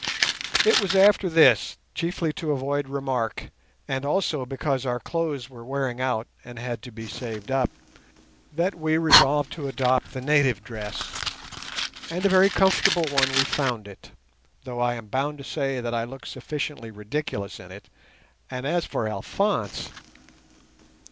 It was after this, chiefly to avoid remark, and also because our clothes were wearing out and had to be saved up, that we resolved to adopt the native dress; and a very comfortable one we found it, though I am bound to say that I looked sufficiently ridiculous in it, and as for Alphonse!